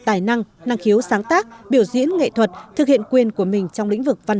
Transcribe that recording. tài năng năng khiếu sáng tác biểu diễn nghệ thuật thực hiện quyền của mình trong lĩnh vực văn